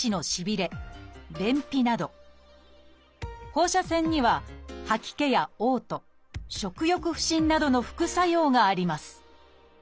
放射線には吐き気やおう吐食欲不振などの副作用があります